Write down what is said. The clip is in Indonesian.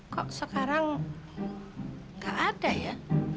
kok sekarang nggak ada ya